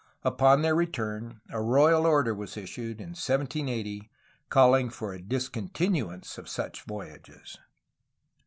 Upon their return a royal order was issued, in 1780, calling for a discontinuance of such voyages.